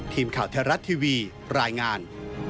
ทีมข่าวไทยรัฐทีวีรายงาน